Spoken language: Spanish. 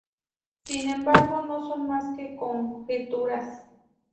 Sin embargo, no son más que conjeturas.